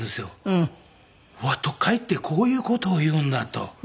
うわ都会ってこういう事を言うんだと。